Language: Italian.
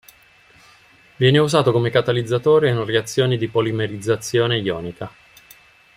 Viene usato come catalizzatore in reazioni di polimerizzazione ionica.